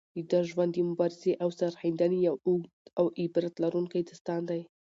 د ده ژوند د مبارزې او سرښندنې یو اوږد او عبرت لرونکی داستان دی.